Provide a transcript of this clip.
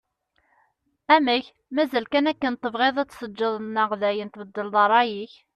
Amek mazal kan akken tebɣiḍ ad tt-teǧǧeḍ neɣ dayen tbeddleḍ rray-ik?